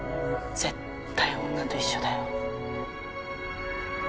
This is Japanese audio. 絶対女と一緒だよ。